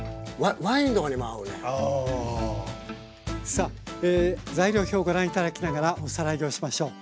さあ材料表をご覧頂きながらおさらいをしましょう。